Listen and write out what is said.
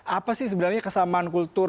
apa sih sebenarnya kesamaan kultur